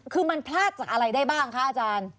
คือมันพลาดจากอะไรได้บ้างคะอาจารย์